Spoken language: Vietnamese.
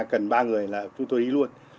cần ba người là chúng tôi đi luôn